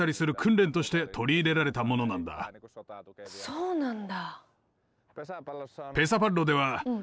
そうなんだ。